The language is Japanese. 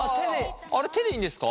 あれ手でいいんですか？